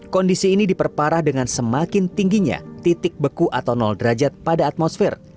kondisi ini diperparah dengan semakin tingginya titik beku atau nol derajat pada atmosfer